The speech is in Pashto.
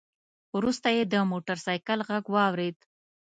وروسته يې د موټر سايکل غږ واورېد.